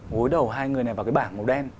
gối đầu hai người này vào cái bảng màu đen